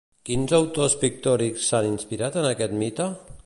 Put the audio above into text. Quins autors pictòrics s'han inspirat en aquest mite?